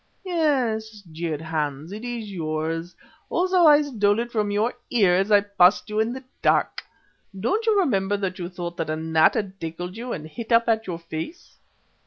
"Yes," jeered Hans, "it is yours. Also I stole it from your ear as I passed you in the dark. Don't you remember that you thought a gnat had tickled you and hit up at your face?"